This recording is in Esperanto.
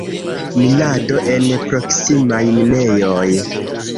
Minado en proksimaj minejoj.